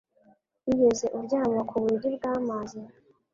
Wigeze uryama ku buriri bw'amazi?